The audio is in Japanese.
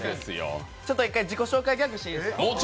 一回、自己紹介ギャグしていいですか？